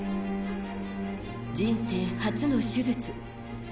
人生初の手術。